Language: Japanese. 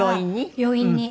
病院に。